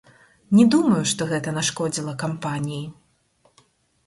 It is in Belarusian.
Не думаю, што гэта нашкодзіла кампаніі.